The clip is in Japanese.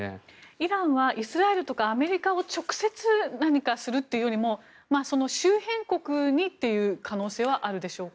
イランはイスラエルとかアメリカに直接何かするというよりもその周辺国にという可能性はあるでしょうか？